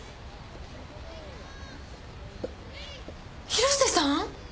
広瀬さん！？